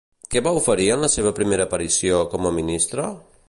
Què va oferir en la seva primera aparició com a ministre?